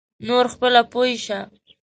نور خپله پوی شه.